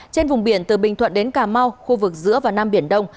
trên vùng biển từ bình thuận đến cà mau khu vực giữa và nam biển đông